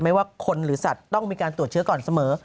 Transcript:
ไม่ว่าคนหรือสัตว์ต้องมีการตรวจเชื้อก่อนเสมอ